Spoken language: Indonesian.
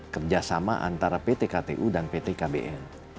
kerjasama antara pt ktu dan pt kbn